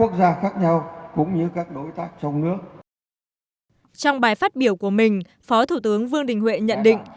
trong bài phát biểu của mình phó thủ tướng vương đình huệ nhận định